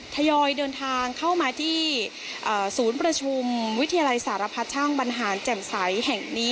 ทยอยเดินทางเข้ามาที่ศูนย์ประชุมวิทยาลัยสารพัดช่างบรรหารแจ่มใสแห่งนี้